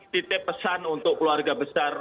titip pesan untuk keluarga besar